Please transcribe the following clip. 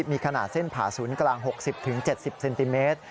มีขนาดเส้นผ่าศูนย์กลาง๖๐๗๐เซนติเมตร